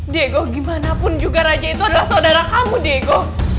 diego gimana pun juga raja itu adalah saudara kamu diego